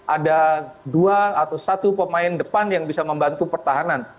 ada dua atau satu pemain depan yang bisa membantu pertahanan